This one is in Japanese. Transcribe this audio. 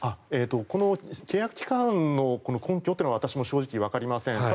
この契約期間の根拠というのは私も正直わかりません。